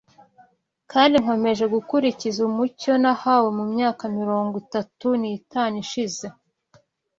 kandi nkomeje gukurikiza umucyo nahawe mu myaka mirongo itatu n’itanu ishize